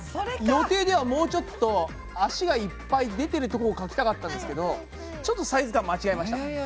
予定ではもうちょっと脚がいっぱい出てるとこを描きたかったんですけどちょっとサイズ感間違えました。